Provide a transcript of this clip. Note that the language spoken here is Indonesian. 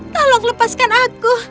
tolong lepaskan aku